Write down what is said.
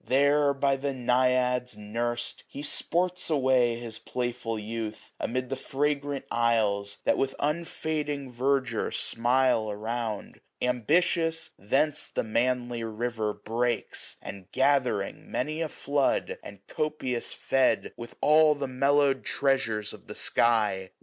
There, by the Naiads nurs'd, he sports away His playful youth, amid the fragrant isles, 810 That with unfading verdure smile around. Ambitious, thence the manly river breaks ; And gathering many a flood, and copious fed With all the mellowed treasures of the sky.